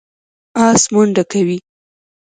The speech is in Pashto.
آس منډه کوي.